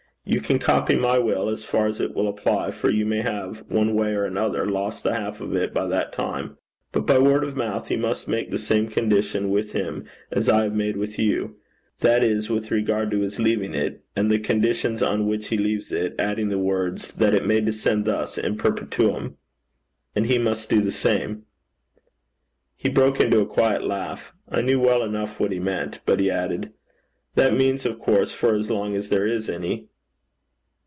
You can copy my will as far as it will apply, for you may have, one way or another, lost the half of it by that time. But, by word of mouth, you must make the same condition with him as I have made with you that is, with regard to his leaving it, and the conditions on which he leaves it, adding the words, "that it may descend thus in perpetuum." And he must do the same.' He broke into a quiet laugh. I knew well enough what he meant. But he added: 'That means, of course, for as long as there is any.'